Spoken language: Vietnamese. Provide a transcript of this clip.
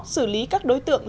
xử lý các đối tượng